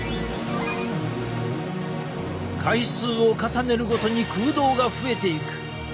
回数を重ねるごとに空洞が増えていく。